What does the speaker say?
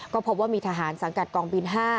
ก็พบว่ามีทหารสังกัดกองบิน๕